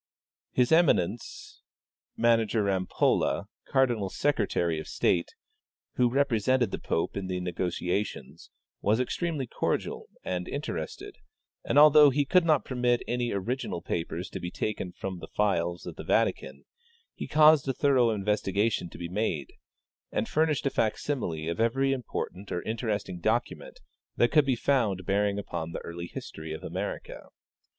His emi nence, Mgr Rampolla, cardinal secretary of state, who repre sented the pope in the negotiations, was extremely cordial and interested, and although he could not permit any original papers to be taken from the files of the Vatican, he caused a thorough investigation to be made, and furnished a fac simile of every important or interesting document that could be found bearing upon the early history of America.